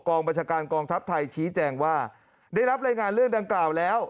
บัญชาการกองทัพไทยชี้แจงว่าได้รับรายงานเรื่องดังกล่าวแล้ว